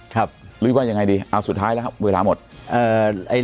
ครับเรียกว่ายังไงดีอ้าวสุดท้ายแล้วครับเวลาถามหมด